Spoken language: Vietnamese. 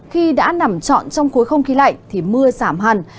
khi đã nằm trọn trong khối không khí lạnh thì mưa giảm hẳn